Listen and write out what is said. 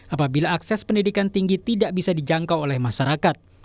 apabila akses pendidikan tinggi tidak bisa dijangkau oleh masyarakat